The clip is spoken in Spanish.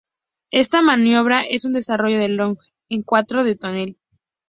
Esta maniobra es un desarrollo del looping con cuarto de tonel.